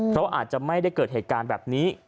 เพราะอาจจะไม่ได้เกิดเหตุการณ์แบบนี้